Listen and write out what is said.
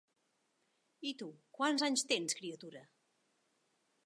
I tu, quants anys tens, criatura!